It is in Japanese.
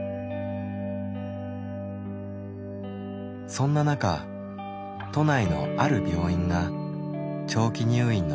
そんな中都内のある病院が長期入院の病棟を閉鎖。